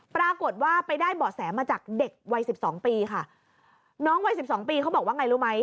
ปรากฏว่าไปได้เบาะแสมาจากเด็กวัยสิบสองปีค่ะน้องวัยสิบสองปีเขาบอกว่าไงรู้ไหม